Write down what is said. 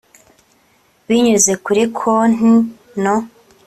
binyuze kuri Konti no